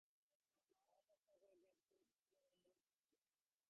তিনি সমাজ সংস্কারকে অগ্রাহ্য করে প্রতিমা এবং রথীন্দ্রনাথের বিয়ে দেন।